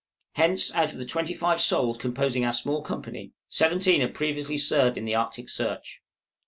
Hence, out of the twenty five souls composing our small company, seventeen had previously served in the Arctic search.